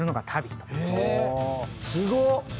すごっ！